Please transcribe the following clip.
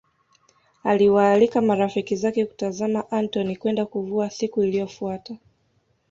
Aliwaalika marafiki zake kutazama Antony kwenda kuvua siku iliyofuata